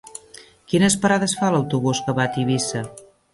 Quines parades fa l'autobús que va a Tivissa?